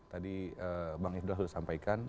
tadi bang ifdal sudah sampaikan